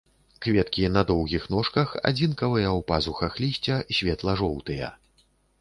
Кветкі на доўгіх ножках, адзінкавыя ў пазухах лісця, светла-жоўтыя.